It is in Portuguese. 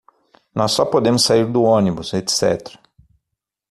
Nós só podemos sair do ônibus, etc.